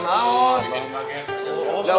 ya waktunya sakit ya sakit